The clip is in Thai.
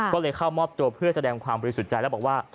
ก็เลยเข้ามอบตัวเพื่อแสดงความบริสุทธิ์ใจแล้วบอกว่า